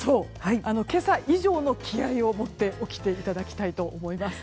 今朝以上の気合を持って起きていただきたいと思います。